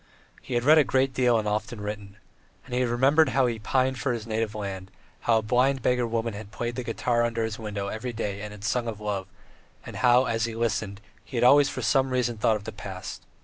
He had read a great deal and often written. And he remembered how he had pined for his native land, how a blind beggar woman had played the guitar under his window every day and sung of love, and how, as he listened, he had always for some reason thought of the past.